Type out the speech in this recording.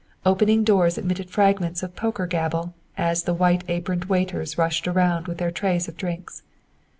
Opening doors admitted fragments of poker gabble as the white aproned waiters rushed around with their trays of drinks.